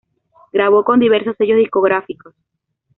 Grabó con diversos sellos discográficos.